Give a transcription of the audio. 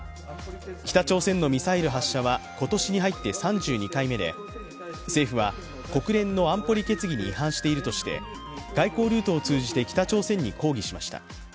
北朝鮮のミサイル発射は今年に入って３２回目で政府は国連の安保理決議に違反しているとして外交ルートを通じて北朝鮮に抗議しました。